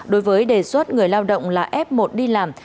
đối với đề xuất người lao động là f một đi làm